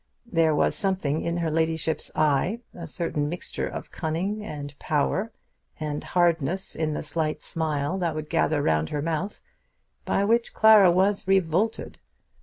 There was something in her ladyship's eye, a certain mixture of cunning, and power, and hardness in the slight smile that would gather round her mouth, by which Clara was revolted.